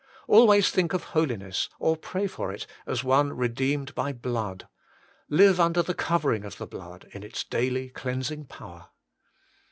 Always think of holiness, or pray for it, as one redeemed by blood. Hue under the cover ing of the blood in its daily cleansing power.